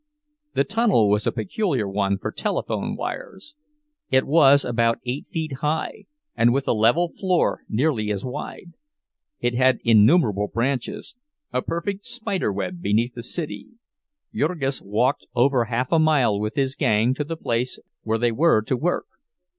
The tunnel was a peculiar one for telephone wires; it was about eight feet high, and with a level floor nearly as wide. It had innumerable branches—a perfect spider web beneath the city; Jurgis walked over half a mile with his gang to the place where they were to work.